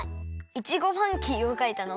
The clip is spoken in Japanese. イチゴファンキーをかいたの？